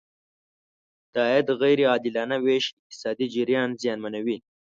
د عاید غیر عادلانه ویش اقتصادي جریان زیانمنوي.